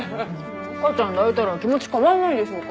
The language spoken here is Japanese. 赤ちゃん抱いたら気持ち変わんないでしょうか？